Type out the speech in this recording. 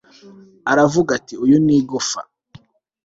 aravuga ati, uyu ni igufwa